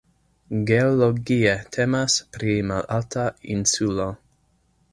Geologie temas pri malalta insulo.